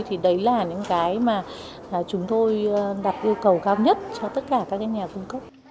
thì đấy là những cái mà chúng tôi đặt yêu cầu cao nhất cho tất cả các nhà cung cấp